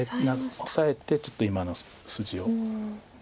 オサえてちょっと今の筋を。